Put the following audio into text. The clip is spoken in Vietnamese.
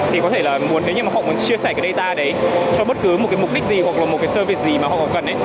thì có thể là nếu họ muốn chia sẻ data đấy cho bất cứ mục đích gì hoặc là một cái service gì mà họ cần